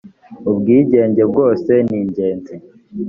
ubwigenge bwose ningenzi.